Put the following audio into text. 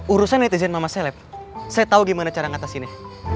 urusan netizen mama selek saya tau gimana cara ngatasinnya